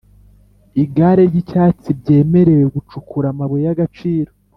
Igare ry’icyatsi byemerewe gucukura amabuye y’agaciro